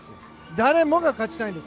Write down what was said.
誰もが勝ちたいんです。